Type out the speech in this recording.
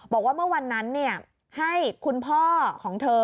บอกว่าเมื่อวันนั้นให้คุณพ่อของเธอ